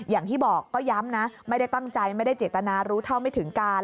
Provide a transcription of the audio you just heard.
อย่างที่บอกก็ย้ำนะไม่ได้ตั้งใจไม่ได้เจตนารู้เท่าไม่ถึงการ